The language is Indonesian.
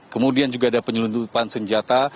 kemudian juga ada penyelundupan senjata